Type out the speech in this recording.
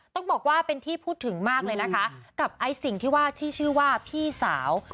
ต้องบอกว่าเป็นที่พูดถึงมากเลยนะคะกับไอ้สิ่งที่ว่าที่ชื่อว่าพี่สาว